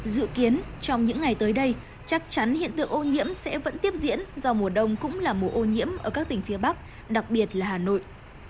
dự kiến trong những ngày tới đây chắc chắn hiện tượng ô nhiễm sẽ vẫn tiếp diễn do mùa đông cũng là mùa ô nhiễm ở các tỉnh phía bắc đặc biệt là hà nội